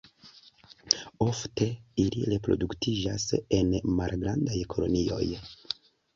Ofte ili reproduktiĝas en malgrandaj kolonioj.